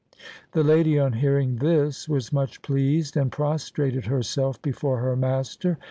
The lady on hearing this was much pleased, and prostrated herself before her master.